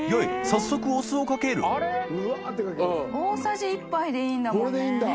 腺早速お酢をかける複截腺邸大さじ１杯でいいんだもんね。